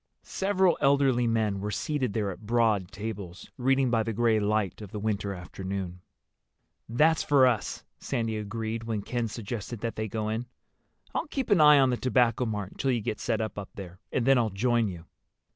Several elderly men were seated there at broad tables, reading by the gray light of the winter afternoon. "That's for us," Sandy agreed, when Ken suggested that they go in. "I'll keep an eye on the Tobacco Mart until you get set up there, and then I'll join you."